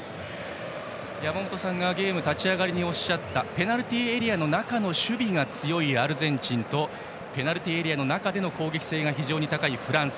山本さんがゲーム立ち上がりにおっしゃったペナルティーエリアの中の守備が強いアルゼンチンとペナルティーエリア内での攻撃性が高いフランス。